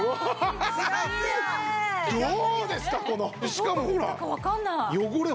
しかもほら汚れ